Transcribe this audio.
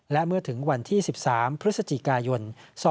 และเมื่อถึงวันที่๑๓พฤศจิกายน๒๕๖